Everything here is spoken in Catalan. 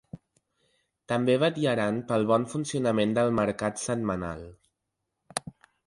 També vetllaran pel bon funcionament del mercat setmanal.